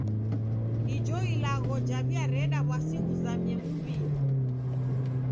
Ijo ilagho jaw'iareda w'asi ghuzamie miw'inyi.